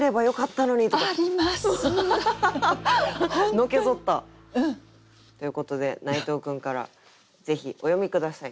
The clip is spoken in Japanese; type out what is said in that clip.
のけぞった。ということで内藤君からぜひお詠み下さい。